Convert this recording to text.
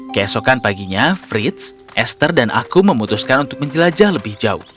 keesokan paginya frits esther dan aku memutuskan untuk menjelajah lebih jauh